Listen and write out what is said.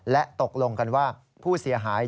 และตกลงกันว่าผู้เสียหาย